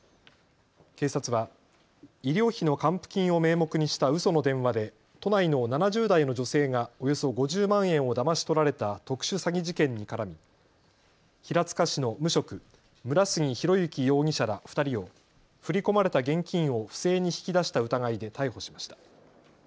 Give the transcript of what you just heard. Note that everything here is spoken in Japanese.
警察は医療費の還付金を名目にしたうその電話で都内の７０代の女性がおよそ５０万円をだまし取られた特殊詐欺事件に絡み、平塚市の無職、村杉浩之容疑者ら２人を振り込まれた現金を不正に引き出した疑いで逮捕しました。